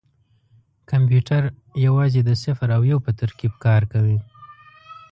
کمپیوټر یوازې د صفر او یو په ترکیب کار کوي.